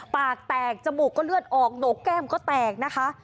ปากแตกจมูกก็เลือดออกหนกแก้มก็แตกนะคะ